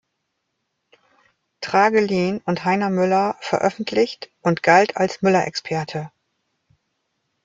Tragelehn und Heiner Müller veröffentlicht und galt als Müller-Experte.